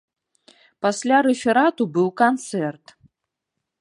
Пасля рэферату быў канцэрт.